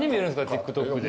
ＴｉｋＴｏｋで。